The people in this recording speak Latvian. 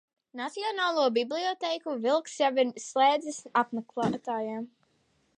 Nacionālo bibliotēku Vilks jau ir slēdzis apmeklētājiem.